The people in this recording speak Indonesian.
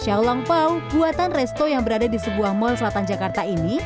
xiaolong pau buatan resto yang berada di sebuah mall selatan jakarta ini